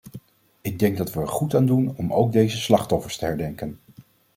Ik denk dat we er goed aan doen om ook deze slachtoffers te herdenken.